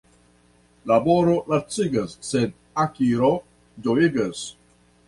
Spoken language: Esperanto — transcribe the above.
Laboro lacigas, sed akiro ĝojigas.